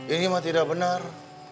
ini mah tidak benar